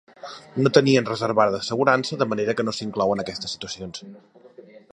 No tenien reservada assegurança de manera que no s'inclouen aquestes situacions.